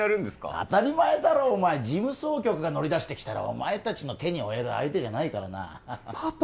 当たり前だろお前事務総局が乗り出してきたらお前達の手に負える相手じゃないからなパパ